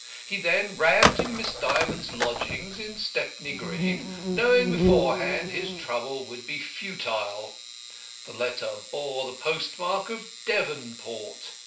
He then ran to Miss Dymond's lodgings in Stepney Green, knowing beforehand his trouble would be futile. The letter bore the postmark of Devonport.